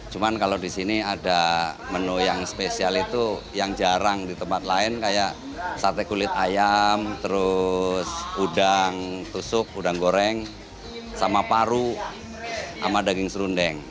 cuman kalau di sini ada menu yang spesial itu yang jarang di tempat lain kayak sate kulit ayam terus udang tusuk udang goreng sama paru sama daging serundeng